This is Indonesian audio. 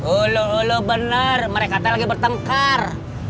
oloh oloh bener mereka tadi lagi bertengkar